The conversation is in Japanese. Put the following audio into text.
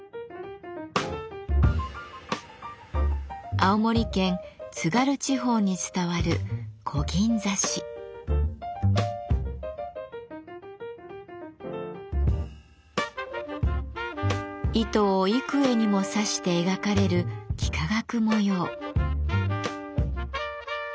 青森県・津軽地方に伝わる糸を幾重にも刺して描かれる幾何学模様。